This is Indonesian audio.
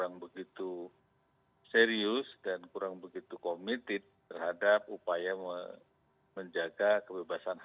sampai sekarang baru dua puluh dua tahun lah